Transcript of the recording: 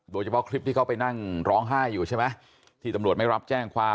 โดยเฉพาะคลิปที่เขาไปนั่งร้องไห้อยู่ใช่ไหมที่ตำรวจไม่รับแจ้งความ